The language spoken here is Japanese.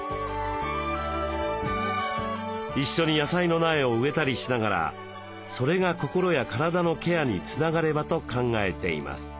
一緒に野菜の苗を植えたりしながらそれが心や体のケアにつながればと考えています。